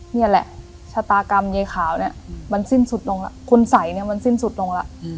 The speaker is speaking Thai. นี่แหละชะตากรรมยายขาวเนี่ยมันสิ้นสุดลงแล้วคุณสัยเนี่ยมันสิ้นสุดลงแล้ว